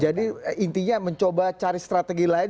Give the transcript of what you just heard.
jadi intinya mencoba cari strategi lain